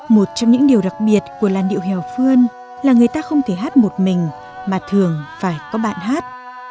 một trong những điều đặc biệt của làn điệu hèo phương là người ta không thể hát một mình mà thường phải có bạn hát